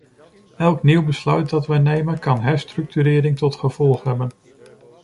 Elk nieuw besluit dat we nemen, kan herstructureringen tot gevolg hebben.